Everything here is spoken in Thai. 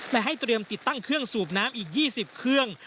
และให้เตรียมติดตั้งเครื่องสูบน้ำอีก๒๐เครื่อง